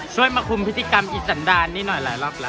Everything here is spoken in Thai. ช่วยมาคุมพิธีกรรมอีสันดานนี่หน่อยหลายรอบละ